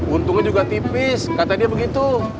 untungnya juga tipis kata dia begitu